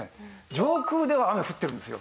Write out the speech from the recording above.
上空では雨降ってるんですよ。